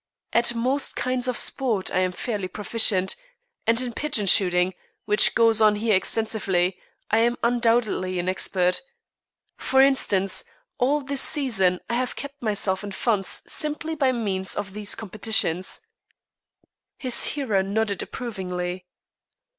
At most kinds of sport I am fairly proficient, and in pigeon shooting, which goes on here extensively, I am undoubtedly an expert. For instance, all this season I have kept myself in funds simply by means of these competitions." His hearer nodded approvingly.